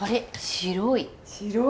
白い！